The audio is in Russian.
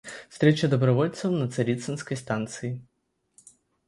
Встреча добровольцев на Царицынской станции.